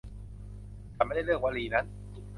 ฉันไม่ได้เลือกวลีนั้น